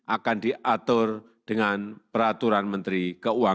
akan diatur dengan peraturan pemerintah